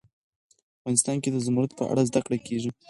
افغانستان کې د زمرد په اړه زده کړه کېږي.